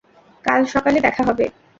কাল সকালে দেখা হবে।